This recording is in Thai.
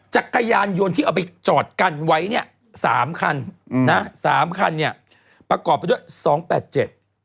จักรยานยนต์ที่เอาไปจอดกันไว้เนี้ยสามคันอืมนะสามคันเนี่ยประกอบไปด้วยสองแปดเจ็ด